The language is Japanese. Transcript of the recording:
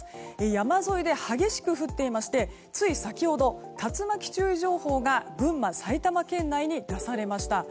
山沿いで激しく降っていましてつい先ほど、竜巻注意情報が群馬、埼玉県内に出されました。